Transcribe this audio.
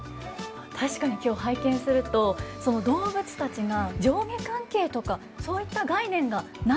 確かに今日拝見するとその動物たちが上下関係とかそういった概念がない印象ですよね。